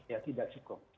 ya tidak cukup